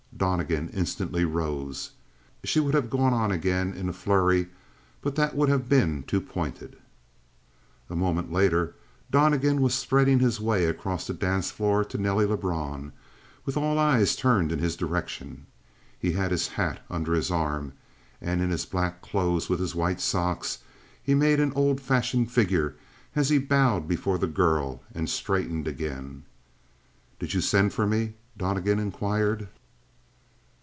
Donnegan instantly rose. She would have gone on again in a flurry; but that would have been too pointed. A moment later Donnegan was threading his way across the dance floor to Nelly Lebrun, with all eyes turned in his direction. He had his hat under his arm; and in his black clothes, with his white stock, he made an old fashioned figure as he bowed before the girl and straightened again. "Did you send for me?" Donnegan inquired.